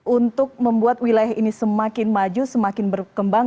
untuk membuat wilayah ini semakin maju semakin berkembang